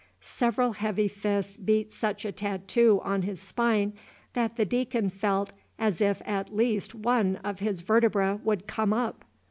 Several heavy fists beat such a tattoo on his spine that the Deacon felt as if at least one of his vertebrae would come up.